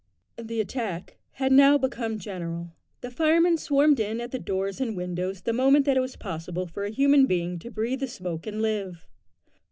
The attack had now become general. The firemen swarmed in at the doors and windows the moment that it was possible for a human being to breathe the smoke and live.